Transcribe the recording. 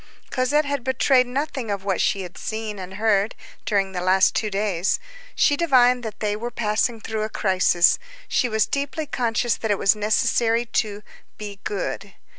Cosette had betrayed nothing of what she had seen and heard during the last two days. She divined that they were passing through a crisis. She was deeply conscious that it was necessary to "be good."